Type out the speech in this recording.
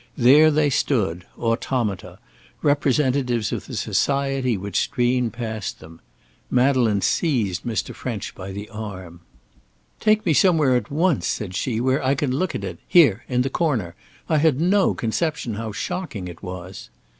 There they stood, automata, representatives of the society which streamed past them. Madeleine seized Mr. French by the arm. "Take me somewhere at once," said she, "where I can look at it. Here! in the corner. I had no conception how shocking it was!"